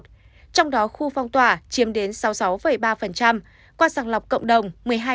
trong đó khu phong tỏa chiếm đến sáu mươi sáu ba qua sàng lọc cộng đồng một mươi hai